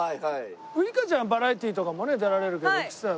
ウイカちゃんはバラエティとかもね出られるけど吉瀬さん